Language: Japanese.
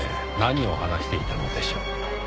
何を話していたのでしょう。